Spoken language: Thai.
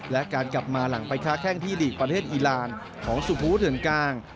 และการกลับมาหลังไปค้าแข้งที่หลีกประเทศอีรานของสุภูเถื่อนกลาง